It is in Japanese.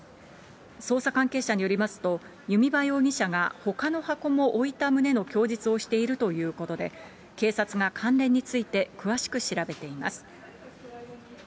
捜査関係者によりますと、弓場容疑者がほかの箱も置いた旨の供述をしているということで、警察が関連について詳しく調べています。